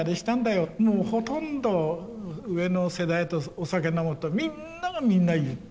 もうほとんど上の世代とお酒飲むとみんながみんな言った。